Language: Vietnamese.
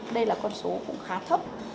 đây là con số khá thấp